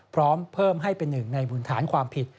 พร้อมเพิ่มให้เป็นหนึ่งในบุญฐานความผิด